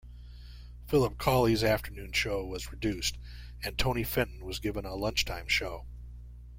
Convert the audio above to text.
Philip Cawley's afternoon show was reduced and Tony Fenton was given a lunchtime show.